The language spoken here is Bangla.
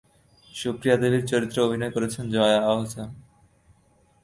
সুপ্রিয়া দেবীর চরিত্রে অভিনয় করবেন জয়া আহসান।